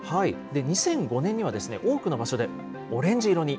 ２００５年には多くの場所でオレンジ色に。